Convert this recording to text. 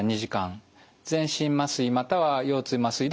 全身麻酔または腰椎麻酔で行います。